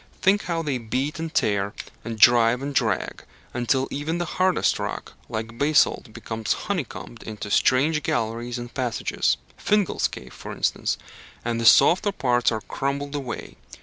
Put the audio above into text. Think how they beat and tear, and drive and drag, until even the hardest rock, like basalt, becomes honeycombed into strange galleries and passages Fingal's Cave, for instance and the softer parts are crumbled away.